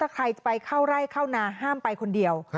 ใครจะไปเข้าไร่เข้านาห้ามไปคนเดียว